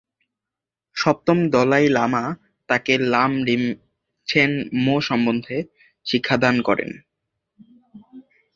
সপ্তম Dalai Lama তাকে লাম-রিম-ছেন-মো সম্বন্ধে শিক্ষাদান করেন।